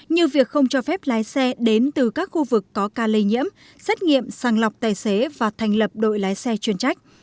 như việc không cho phép lái xe đến từ các khu vực có ca lây nhiễm xét nghiệm sàng lọc tài xế và thành lập đội lái xe chuyên trách